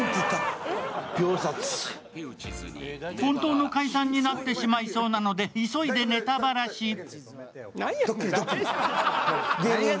本当の解散になってしまいそうなので、急いでネタばらし。